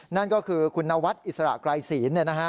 นั่นก็คือคุณนวัดอิสระไกรศีล